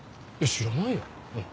知らないようん。